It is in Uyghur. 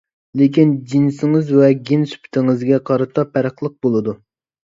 لېكىن جىنسىڭىز ۋە گېن سۈپىتىڭىزگە قارىتا پەرقلىق بولىدۇ.